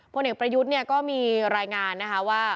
พระเนตรประยุจรรย์ก็มีรายงานบอกว่า